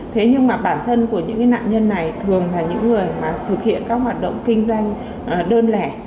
thế nhưng mà bản thân của những nạn nhân này thường là những người mà thực hiện các hoạt động kinh doanh đơn lẻ